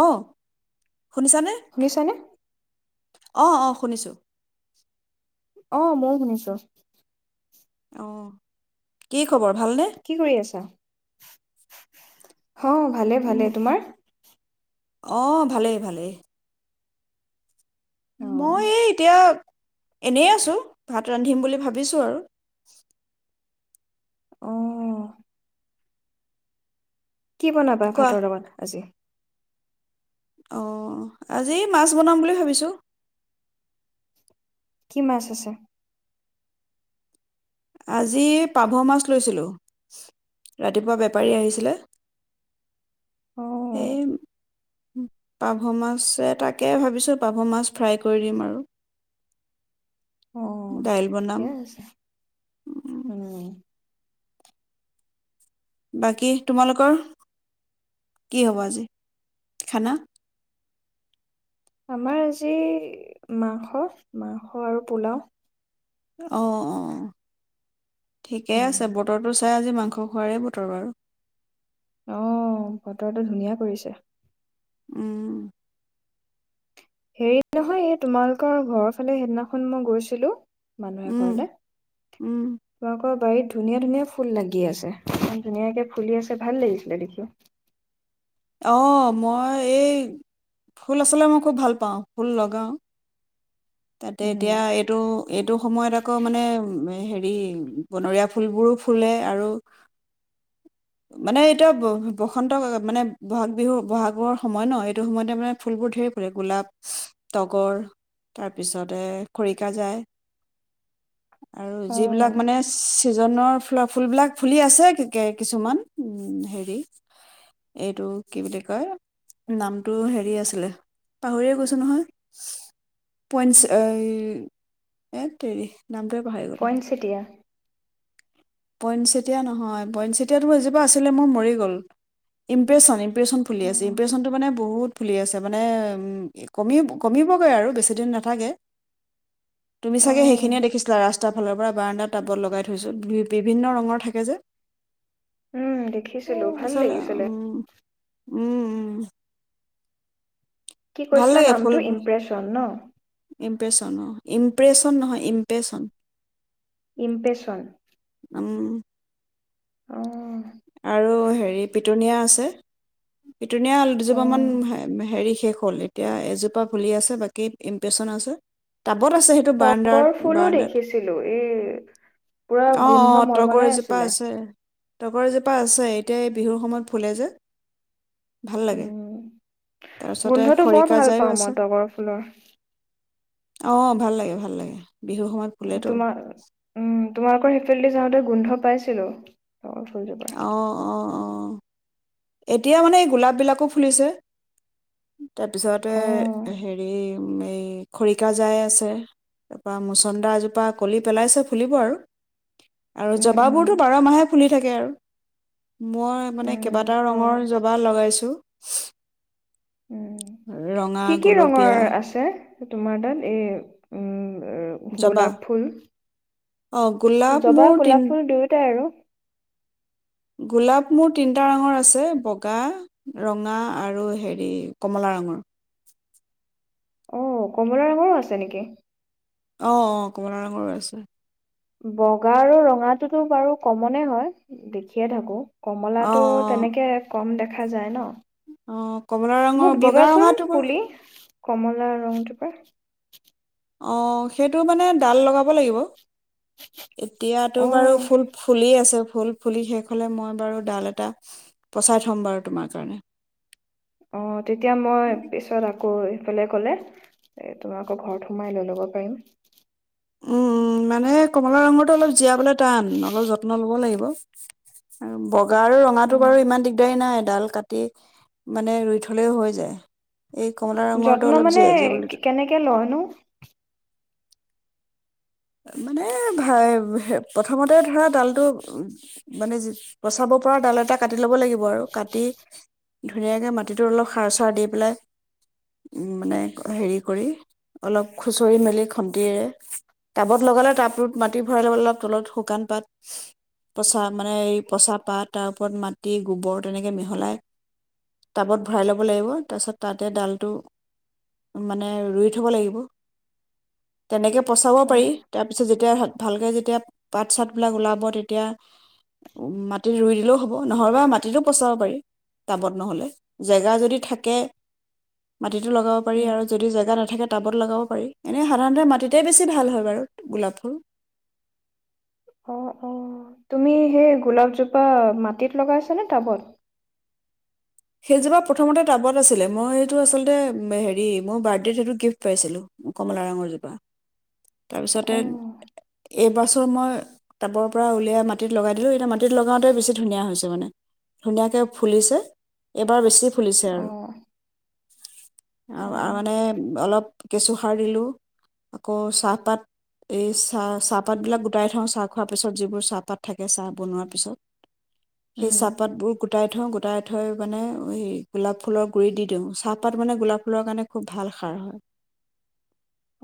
অ শুনিছানে? শুনিছানে? আহ অ শুনিছো। অ মইয়ো শুনিছো। অ কি। খবৰ ভালনে? কি কৰি আছা? অ' ভালে ভালে। তোমাৰ? অ ভালেই ভালেই। অ মই এই এতিয়া। এনে আছো। ভাত ৰান্ধিম বুলি ভাবিছো আৰু। আহ। কি বনাবা কোৱা ভাতৰ লগত আজি? অ'হ, আজি এই মাছ বনাম বুলি ভাবিছোঁ। কি মাছ আছে? আজি পাভ মাছ লৈছিলোঁ। ৰাতিপুৱা বেপাৰী আহিছিলে। অ এই ম পাভ মাছে তাকে ভাবিছোঁ পাভ মাছ ফ্ৰাই কৰি দিম আৰু। অহ, দাইল বনাম ঠিকে আছে। উম। বাকী তোমালোকৰ, কি হ'ব আজি, খানা? আমাৰ আজি মাংস, মাংস আৰু পোলাও। অহ অহ। ঠিকেই উম আছে, বতৰতো চাই আজি মাং-। স খোৱাৰে বতৰ বাৰু। অহ, বতৰটো ধুনীয়া কৰিছে। উম। হেৰি নহয়, এই তোমালোকৰ ঘৰৰ ফালে সেইদিনাখন মই গৈছিলোঁ- মানুহে উম, ঘৰলে। উম, তোমোকৰ- বাৰীত ধুনীয়া ধুনীয়া ফুল লাগি আছে। ইমান ধুনীয়াকে ফুলি আছে ভাল লাগিছিলে দেখি। অহ, মই এই, ফুল আছলে মই খুব ভাল পাওঁ। ফুল লগাওঁ। তাতে উম এতিয়া এইটো, এইটো সময়ত আকৌ মানে ম- এ হেৰি বনৰীয়া ফুলবোৰো ফুলে আৰু, মানে এতিয়া ব বসন্ত ক মানে- বহাগ বিহু বহাগৰ সময় ন, এইটো সময়তে মানে ফুলবোৰ ঢেৰ ফুল গোলাপ, তগৰ তাৰপিছতে খৰিকাজাঁই। আৰু অ যিবিলাক মানে চ- চিজনৰ ফুলা ফুলি বিলাক ফুলি আছে কি কে কিছুমান ম হেৰি- এইটো কি বুলি কয়, নামটো হেৰি আছিলে, পাহৰিয়ে গৈছোঁ নহয়, পইঞ্চ এই হেত তেৰি। নামটোৱে পাহৰি গ'লো। পইনচেতিয়া পয়েনসেটিয়া নহয়, পয়েনসেটিয়াটো এজোপা আছিলে মোৰ, মৰি গ'ল। ইমপেশ্যন, ইমপ্ৰেশ্যন ফুলি আছে। অ', ইমপ্ৰেশ্যনটো মানে বহুত ফুলি আছে, মানে ম এ কমিব কমিবগৈ আৰু বেছিদিন নাথাকে। তুমি চাগে অ', সেইখিনিয়ে দেখিছিলা লাচত। দুটা ফালৰ পৰা বাৰণ্ডা টাবত লগাই থৈছোঁ। বি‌ বিভিন্ন ৰঙৰ থাকে যে। উম দেখিছিলোঁ, ভাল আচল লাগিছিলে। উম উম উম। কি ভাল কৈছিলা লাগে ফুল, নামটো ইমপ্ৰেচন ন? ইমপেশ্যন অহ ইম- প্ৰেযন নহয় ইমপেশ্যন। ইমপেশ্যন। উম। অহ। আৰু হেৰি পিটুনীয়া আছে। পিটুনীয়া অল দুজোপামান অ', ম হেৰি- শেষ হ'ল। এতিয়া এজোপা ফুলি আছে, বাকী ইমপেশ্যন আছে। টাপ- বত আছে সেইটো তগৰ বাৰাণ্ডাত, ফুলো বাৰাণ্ডাত। দেখিছিলো এই পুৰা অ'হ গোন্ধ অ'হ মলমলাই তগৰ এজোপা আছিলে। আছে। তগৰ এজোপা আছে। এতিয়া এই বিহুৰ সময়ত ফুলে যে। ভাল লাগে উম তাৰপিছতে গোন্ধটো বৰ ভাল খৰিকাজাইও পাওঁ আছে মই তগৰ ফুলৰ অ ভাল লাগে ভাল লাগে বিহুৰ সময়ত ফুলেতো তোমাৰ উম তোমালোকৰ সেইফিলডদি যাওঁতে গোন্ধ পাইছিলোঁ আহ অ অ এতিয়া মানে এই গোলাপ বিলাকো ফুলিছে তাৰপিছতে অ', হেৰি এই খৰিকা জাই আছে তাৰপৰা মুচন্দা এজোপা কলি পেলাইছে ফুলিব আৰু আৰু উম, উম, জবাবোৰতো ব বাৰ মাহহে ফুলি থাকে আৰু মই মানে উম, কেবা কেইবা হয় ৰঙৰ জবা লগাইছো উম। কি কি গুলপীয়া ৰঙৰ আছে তোমাৰ তাত এই উম জবা গোলাপ ফুল অঁ গোলাপ মোৰ জবাহ তিন গোলাপ ফুল দুয়োটাই আৰু গোলাপ মোৰ তিনিটা ৰঙৰ আছে বগা ৰঙা আৰু হেৰি কমলা ৰঙৰ অ কমলা ৰঙৰো আছে নেকি আহ অ কমলা ৰঙৰ আছে বগা আৰু ৰঙাটোতো বাৰু কমনে হয় দেখিয়ে থাকো অঁ কমলাটো তেনেকে কম দেখ দেখা যায় ন অ কমলা মোক ৰঙৰ বগা দিবাচোন ৰঙাটো বাৰু পুলি কমলা ৰংটো পৰা অঁ সেইটো মানে ডাল লগাব লাগিব এতিয়াতো বাৰু অ'। ফুল ফুলি আছে ফুল ফুলি শেষ হলে মই বাৰু ডাল এটা পচাই থম বাৰু তোমাৰ কাৰণে অ তেতিয়া মই উম পিছত আকৌ এইফালে ক'লে এ তোমাক আকৌ ঘৰত সোমাই লৈ ল'ব পাৰিম উম উম মানে কমলা ৰঙৰটো অলপ জীয়াবলৈ টান ন আৰু য়ত্ন লব লাগিব বগা আৰু ৰঙাটো বাৰু অ' ইমান দিগদাৰী নাই ডাল কাটি মানে ৰুই থলেও হৈ যায় এই কমলা ৰঙৰটো যত্ন অলপ মানে জীয়া জীয়াবলৈ কেনেকে লয়নো মানে ভাই প্ৰথমতে ধৰা ডালটো মানে পচাব পৰা ডাল এটা কাটি ল'ব লাগিব আৰু কাটি ধুনীয়াকে মাটিটো অলপ সাৰ-চাৰ দি পেলাই, মানে হেৰি কৰি অলপ খুচৰি মেলি খন্তিৰে টাবত লগালে টাবটোত মাটি ভৰাই ল'বলৈ অলপ তলত শুকান পাত, পচা মানে এই পচা পাত, তাৰ ওপৰত মাটি, গোবৰ তেনেকৈ মিহলাই টাবত ভৰাই ল'ব লাগিব। তাৰপিছত তাতে ডালটো মানে ৰুই থ'ব লাগিব তেনেকে পচা অ' পাৰি, তাৰ পিছত যেতিয়া হাত ভালকে যেতিয়া পাত চাতবিলাক ওলাব তেতিয়া মাটিত ৰুই দিলেও হব। নহ'বা মাটিতো পচাব পাৰি টাবত নহলে, জেগা যদি থাকে মাটিটো লগাব পাৰি, উম। আৰু যদি জেগা নাথাকে টাবত লগাব পাৰি, এনে সাধাৰণতে মাটিতে বেছি ভাল হয়। গোলাপ ফুল। অ', অ', তুমি সেই গোলাপজোপা মাটিত লগাইছা নে টাবত? সেইজোপা প্ৰথমতে টাবত আছিলে, মই এইটো আচলতে হেৰি মোৰ বাডদেত সেইটো গিফ্ট পাইছিলোঁ কমলা ৰঙৰজোপা। তাৰপিছতে অ এইবছৰ মই টাবত পৰা উলিয়াই মাটিত লগাই দিলোঁ, এতিয়া মাটিত লগাওঁতে বেছি ধুনীয়া হৈছে মানে ধুনীয়াকে ফুলিছে। এইবাৰ বেছি। ফুলিছে অ আৰু অ আৰ-আৰু মানে অলপ কেঁচুসাৰ দিলোঁ, আকৌ চাহপাত, এই চাহ- চাহপাতবিলাক গোটাই থওঁ চাহ খোৱাৰ পিছত যিবোৰ চাহপাত থাকে চাহ বনোৱাৰ পিছত, সেই উম চাহপাতবোৰ গোট গোটাই থওঁ গোটাই থৈ মানে এই গোলাপ ফুলৰ গুৰিত দি দিওঁ, চাহপাত মানে গোলাপ ফুলৰ কাৰণে খুব ভাল সাৰ হয়।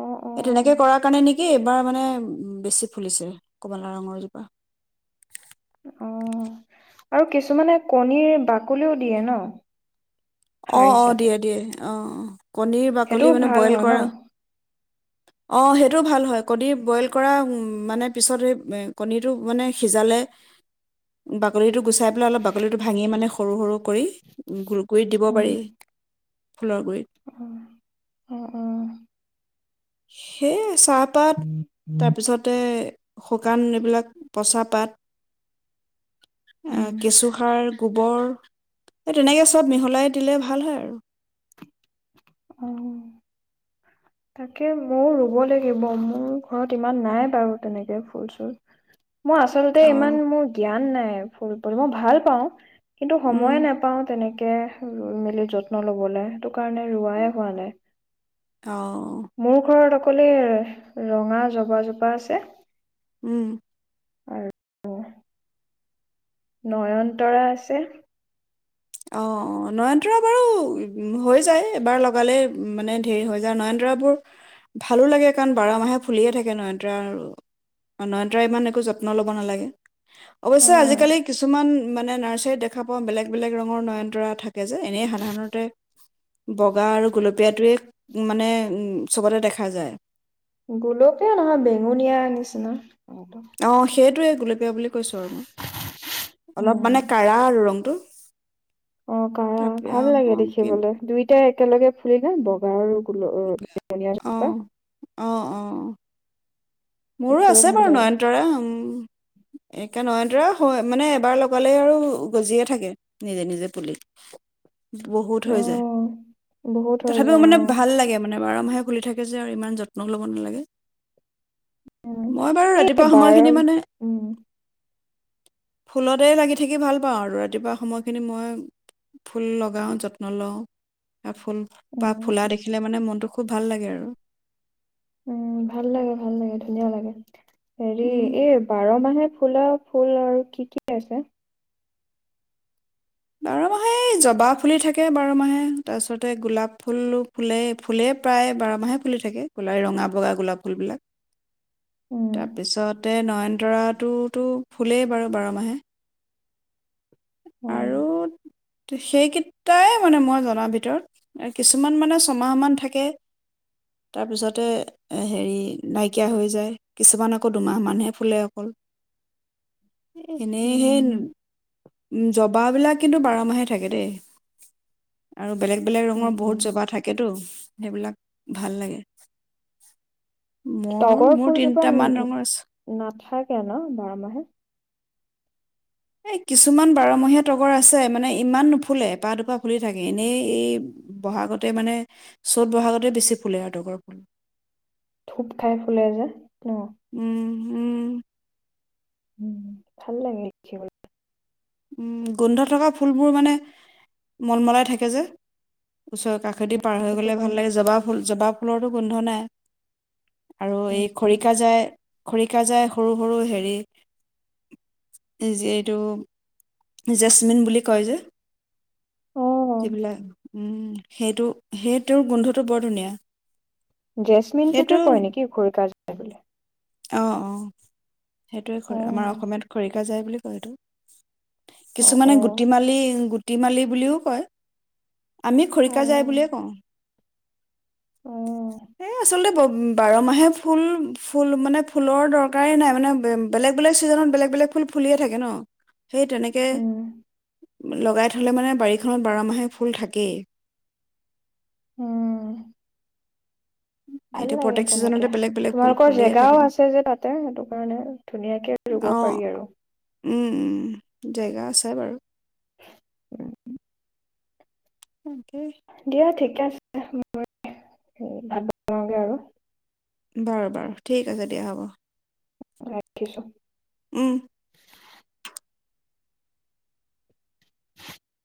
অ অ এ তেনেকে কৰা কাৰণে নেকি এইবাৰ মানে বেছি ফুলিছে। কমলা ৰঙৰ জোপা অ', আৰু কিছুমানে কণীৰ বাকলিও দিয়ে ন? অ', সাৰ অ', হিচাপে দিয়ে দিয়ে। অ', কণীৰ সেইটোও বাকলি মানে ভাল বইল হয় ন কৰা অ', সেইটো ভাল হয়। কণী বইল কৰা মানে পিছত সেই কণীটো মানে সিজালে বাকলিটো গুচাই পেলাই অলপ বাকলিটো ভাঙি মানে সৰু সৰু কৰি, গুৰ-গুৰিত দিব উম পাৰি। ফুলৰ গুৰিত। অ অ অ সেই চা পাত তাৰপিছতে শুকান, এইবিলাক পচা পাত অ উম কেঁচুসাৰ গোবৰ, এই তেনেকে চব মিহলাই দিলে ভাল হয় আৰু অহ তাকে মইয়ো ৰুব লাগিব, মোৰ ঘৰত ইমান নাই বাৰু তেনেকে ফুল চুল মোৰ আচলতে অ ইমান মোৰ জ্ঞান নাই ফুল [unintelligible] মই ভাল পাওঁ কিন্তু উম সময়ে নাপাওঁ তেনেকে কে ৰুই মেলি যত্ন ল'বলে টো কাৰণে ৰুৱাই হোৱা নাই। অ মোৰ ঘৰত কলে ৰঙা জবা জোপা আছে উম আৰ নয়নতৰা আছে অ অ নয়নতৰা বাৰু হৈ যায় এবাৰ লগালে মানে ধেৰ হৈ যায় নয়নতৰাবোৰ ভালো লাগে কাৰণ বাৰ মাহে ফুলিয়ে থাকে নয়নতৰা আৰু নয়নতৰা ইমান একো যত্ন ল'ব নালাগে অৱশ্যে আজিকালি উম কিছুমান মানে নাৰ্চাৰীত দেখা পাওঁ বেলেগ বেলেগ ৰঙৰ নয়নতৰা থাকে কে যে এনেই সাধাৰণতে বগা আৰু গোলপীয়াটোৱে মানে উ চবতে দেখা যায় গোলকে নহয় বেঙুনিয়া নিচিনা। ৰঙটো অ সেইটোয়ে বুলি কৈছো আৰু মই। অলপ মানে উম কঢ়া আৰু ৰংটো। অ কাৰা, তাৰপ ভাল লাগে অ কি দেখিবলৈ। দুইটাই একেলগে ফুৰি গান বগাই আৰু গোল বেঙুনীয়া জোপা অহ', অহ', অহ' মোৰো দেখিব আছে ভাল বাৰু লাগে নয়নতৰে উম এইে নহয়তৰা হৈ মানে এবাৰ লগালে আৰু গজিয়ে থাকে, নিজে নিজে পুলি। বহুত অ হৈ যায়, বহুত হৈ তথাপিও যায় মানে অ ভাল লাগে মানে বাৰ মাহে ফুলি থাকে যে আৰু ইমান যত্ন ল'ব নালাগে। উম, মই বাৰু এই ৰাতিপুৱা বাৰ, সময়খিনি মানে উম। ফুলতে লাগি থাকি ভাল পাওঁ আৰু ৰাতিপুৱা সময়খিনি মই ফুল লগাওঁ, যত্ন লওঁ। ফুল বা উম, ফুলা দেখিলে মানে মনতটো ভাল লাগে আৰু। উম ভাল লাগে-ভাল লাগে, ধুনীয়া লাগে। হেৰি উম এই বাৰ মাহে ফুলা ফুল আৰু কি-কি আছে? বাৰ মাহে জবা ফুলি থাকে বাৰ মাহে তাৰপিছতে গোলাপ ফুল ফুলেই-ফুলেই প্ৰায় বাৰ মাহে ফুলি থাকে গোলাই ৰঙা বগা গোলাপ ফুলবিলাক। উম, তাৰপিছতে নয়নতৰাটোতো ফুলেই বাৰু বাৰ মাহে। উম, আৰু সেইকেইটাই মানে মই জনাৰ ভিতৰত। কিছুমান মানে ছমাহমান থাকে, তাৰপিছতে হেৰি নাইকিয়া হৈ যায়, কিছুমান আকৌ দুমাহমানহে ফুলে অকল। এনেহে উম, জবাবিলাক কিন্তু বাৰ মাহে থাকে দেই। আৰু বেলেগ-বেলেগ উম, ৰঙৰ উম বহুত জবা থাকেতো। সেইবিলাক ভাল লাগে। মোৰ তগৰ মোৰ ফুলজোপা তিনটামান ৰঙৰ আছে নাথাক ক না বাৰ মাহে? কিছুমান বাৰমহীয়া তগৰ আছে মানে ইমান নুফুলে, এপাহ দুপা ফুলি থাকে। এনেই এই বহাগতে মানে চ'ত বহাগতে বেছি ফুলে আৰু তগৰ ফুল ধূপ খাই ফুলে যে, ন? উম উম। উম ভাল লাগে দেি উম গোন্ধ থকা ফুলবোৰ মানে মলমলাই থাকে যে ওচৰে কষ খেতি পাৰ হৈ সেইটো গ'লে ভাল কাৰণে লাগে জবাব ফুল জবাব ফলৰো গোন্ধ নাই। আৰু এই উম, খৰিকাজাই খৰিকা যাই সৰু সৰু হেৰি যিটো জেছমিন বুলি কয় যে। অ', সেইবিলাক উ সেইটো সেই তেওঁৰ গোন্ধটো বৰ ধুনীয়া সেইটো জেচমিনটোকে কয় নেকি ঘৰি কাজ তা বোলে আহ, আহ। সেইটোৱে খৰি আমাৰ অ', অসমীয়াত খৰিকা যায় বুলি সেইটো অ', কিছুমানে অ', গুটি মালি তিমালি বুলিও কয় আমি খৰিকা যায় অ', বুলিয়ে কওঁ। অ', এ আচল বাৰ মাহে ফুল ফুল মানে ফুলৰ দৰকাৰেই নাই মানে বেলেগ বেলেগ চিজনত বেলেগ বেলেগ ফুল ফুলিয়ে থাকে ন। সেই তেনেকে উম, লগাই থ'লে মানে বাৰীখনত বাৰমাহে ফুল থাকেই। উম। ভাল এতিয়া লাগে প্ৰত্যেক তেনেকে ছিজনতে বেলেগ বেলেগ ফুল তোমালোকৰ ফুলিয়ে জেগাও থাকে আছে যে তাতে সেইটো কাৰণে ধুনীয়াকে ৰুব অ পাৰি আৰু। উম, উম জেগা আছে বাৰু। উম। তাকেই দিয়া ঠিকে আছে মই ভাত বনাওঁগে আৰু। বাৰু বাৰু ঠিক আছে দিয়া হ'ব। ৰাখিছো। উম। [inaudible]